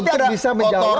dia bisa menjawab